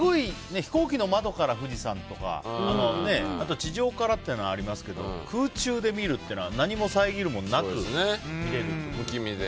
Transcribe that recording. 飛行機の窓から富士山とか地上からってのはありますけど空中で見るっていうのは何も遮るものなく見れるってことで。